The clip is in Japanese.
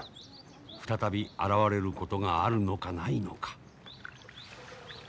再び現れることがあるのかないのか。